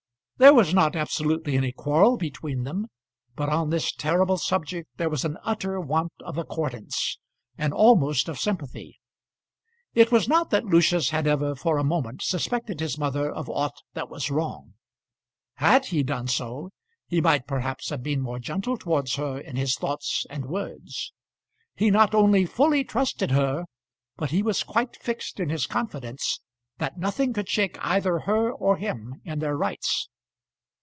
There was not absolutely any quarrel between them, but on this terrible subject there was an utter want of accordance, and almost of sympathy. It was not that Lucius had ever for a moment suspected his mother of aught that was wrong. Had he done so he might perhaps have been more gentle towards her in his thoughts and words. He not only fully trusted her, but he was quite fixed in his confidence that nothing could shake either her or him in their rights.